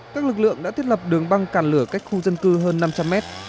các lực lượng đã thiết lập đường băng cản lửa cách khu dân cư hơn năm trăm linh mét